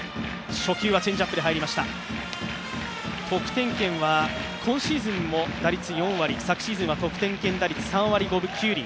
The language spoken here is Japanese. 得点圏は今シーズンも打率４割、昨シーズンは得点圏打率３割５分９厘